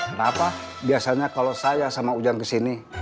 kenapa biasanya kalau saya sama ujang ke sini